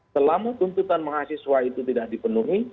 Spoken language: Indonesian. selama tuntutan mahasiswa itu tidak dipenuhi